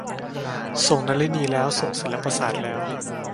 ส่งนลินีแล้ว ส่งศิลปศาสตร์แล้ว.